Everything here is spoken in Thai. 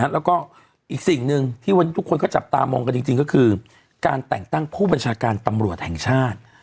แล้วก็อีกสิ่งหนึ่งที่วันนี้ทุกคนก็จับตามองกันจริงก็คือการแต่งตั้งผู้บัญชาการตำรวจแห่งชาติ